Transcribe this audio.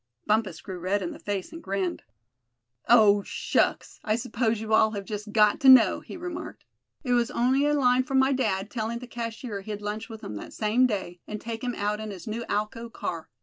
Bumpus grew red in the face and grinned. "Oh! shucks! I s'pose you all have just got to know," he remarked. "It was on'y a line from my dad, tellin' the cashier he'd lunch with him that same day, and take him out in his new Alco car.